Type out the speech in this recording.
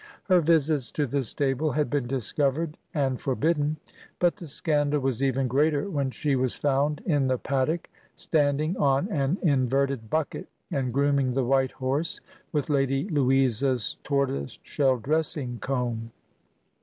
Her visits to the stable had been discovered and forbidden, but the scandal was even greater when she was found in the paddock, standing on an inverted bucket, and grooming the white horse with Lady Louisa's tortoise shell dressing comb.